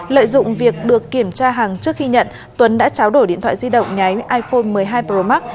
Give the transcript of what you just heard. lợi dụng việc được kiểm tra hàng trước khi nhận tuấn đã tráo đổi điện thoại di động nhái iphone một mươi hai pro max